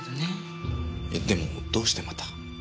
えでもどうしてまた？